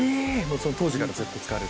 当時からずっと使われて。